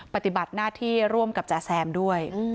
ปฏิบัติหน้าที่ร่วมกับจ๋าแซมด้วย